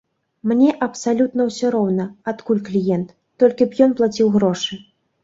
Мне абсалютна ўсё роўна, адкуль кліент, толькі б ён плаціў грошы.